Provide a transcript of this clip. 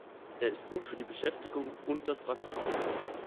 Er ist gut für die Beschäftigung und das Wachstum.